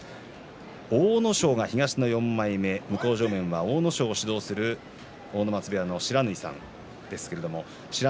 阿武咲は東の４枚目向正面は阿武咲を指導する阿武松部屋の不知火さんです。